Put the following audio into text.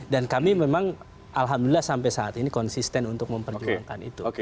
dan kami memang alhamdulillah sampai saat ini konsisten untuk memperjuangkan itu